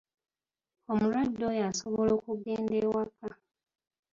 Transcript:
Omulwadde oyo asobola okugenda ewaka.